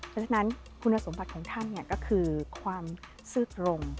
เพราะฉะนั้นคุณสมบัติของท่านก็คือความซื่อตรง